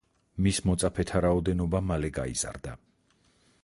მის მოწაფეთა რაოდენობა მალე გაიზარდა.